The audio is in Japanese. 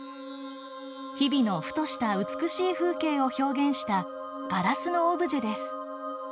日々のふとした美しい風景を表現したガラスのオブジェです。